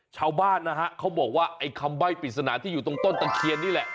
ชาวบ้านนะฮะเขาบอกว่าไอ้คำใบ้ปริศนาที่อยู่ตรงต้นตะเคียนนี่แหละ